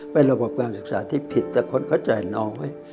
เป็นระบบการศึกษาที่ผิดแต่คนเข้าใจน้อย